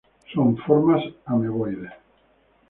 Son formas ameboides.